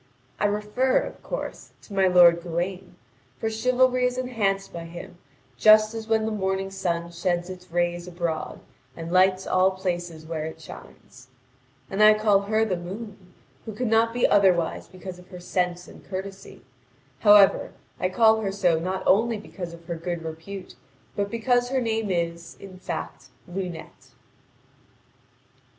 I refer, of course, to my lord Gawain, for chivalry is enhanced by him just as when the morning sun sheds its rays abroad and lights all places where it shines. And I call her the moon, who cannot be otherwise because of her sense and courtesy. However, I call her so not only because of her good repute, but because her name is, in fact, Lunete.